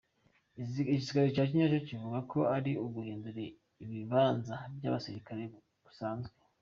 Igisirikare ca Kenya co kivuga ko ari uguhindura ibibanza kw'abasirikare gusanzwe.